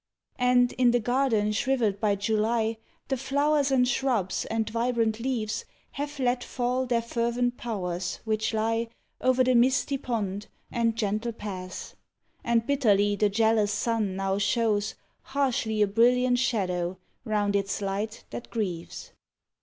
And, in the garden shrivelled by July, The flowers and shrubs and vibrant leaves Have let fall their fervent powers which lie Over the misty pond and gentle paths. And bitterly the jealous sun now shows Harshly a brilliant shadow Round its light that grieves.